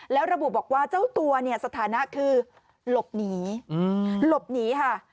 แล้วระบุบอกว่าเจ้าตัวเนี่ยสถานะคือหลบหนีหลบหนีค่ะ